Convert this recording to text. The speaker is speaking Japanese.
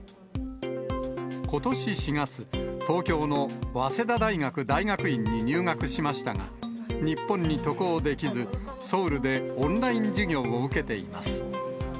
ことし４月、東京の早稲田大学大学院に入学しましたが、日本に渡航できず、ソウルでオンライン授業を受けています。